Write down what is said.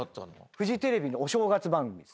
フジテレビのお正月番組。